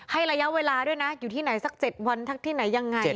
ระยะเวลาด้วยนะอยู่ที่ไหนสัก๗วันที่ไหนยังไง